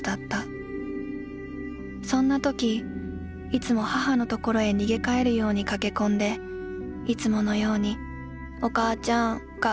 そんな時いつも母の所へ逃げ帰るように駆け込んでいつものように『お母ちゃん学校行くのいやだいやだ』